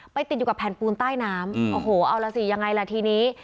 ติดอยู่กับแผ่นปูนใต้น้ำโอ้โหเอาล่ะสิยังไงล่ะทีนี้